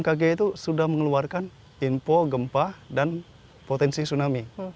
bkg itu sudah mengeluarkan info gempa dan potensi tsunami